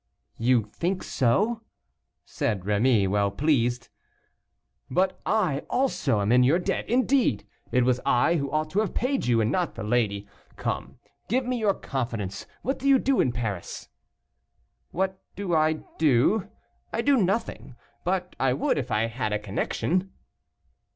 "You think so?" said Rémy, well pleased. "But I also am in your debt; indeed, it was I who ought to have paid you, and not the lady. Come, give me your confidence. What do you do in Paris?" "What do I do? I do nothing; but I would if I had a connection."